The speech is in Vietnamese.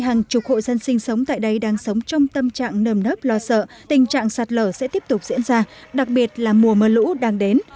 trong tâm trạng nơi này tình trạng sạt lở sẽ tiếp tục diễn ra đặc biệt là mùa mơ lũ đang đến